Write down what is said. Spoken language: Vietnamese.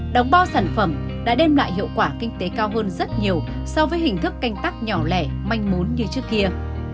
đóng bao sản phẩm đã đem lại hiệu quả kinh tế cao hơn rất nhiều so với hình thức canh tắc nhỏ lẻ manh mún như trước kia